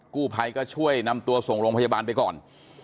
กู้ภัยก็ช่วยนำตัวส่งโรงพยาบาลไปก่อน